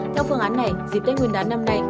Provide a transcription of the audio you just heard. theo phương án này dịp tết nguyên đán năm nay